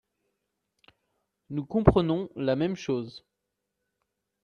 Nous comprenons la même chose